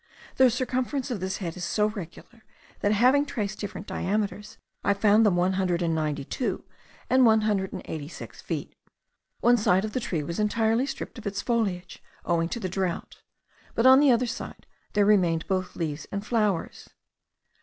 The circumference of this head is so regular, that, having traced different diameters, I found them one hundred and ninety two and one hundred and eighty six feet. One side of the tree was entirely stripped of its foliage, owing to the drought; but on the other side there remained both leaves and flowers.